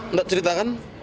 nggak cerita kan